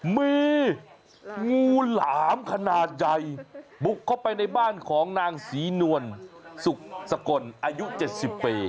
มีงูหลามขนาดใหญ่บุกเข้าไปในบ้านของนางศรีนวลสุขสกลอายุ๗๐ปี